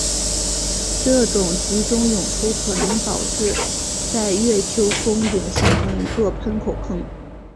这种集中涌出可能导致在月丘峰顶形成了一座喷口坑。